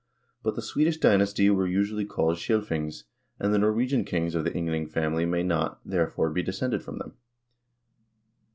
But the Swedish dy nasty were, usually, called Scilfings, and the Norwegian kings of the Yngling family may not, therefore, be descended from them.